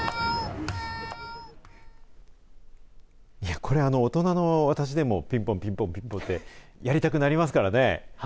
これは大人の私でもピンポン、ピンポンってやりたくなりますからね。